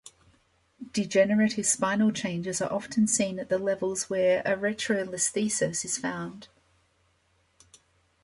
Degenerative spinal changes are often seen at the levels where a retrolisthesis is found.